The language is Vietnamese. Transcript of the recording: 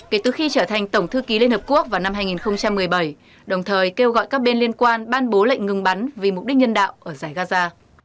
kể từ khi trở thành tổng thư ký liên hợp quốc vào năm hai nghìn một mươi bảy đồng thời kêu gọi các bên liên quan ban bố lệnh ngừng bắn vì mục đích nhân đạo ở giải gaza